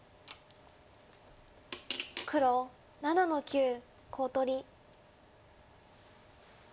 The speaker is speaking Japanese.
黒７の九コウ取り。